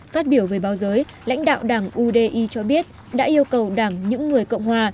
phát biểu về báo giới lãnh đạo đảng udi cho biết đã yêu cầu đảng những người cộng hòa